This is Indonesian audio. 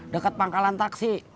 deket pangkalan taksi